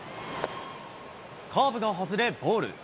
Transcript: カーブが外れ、ボール。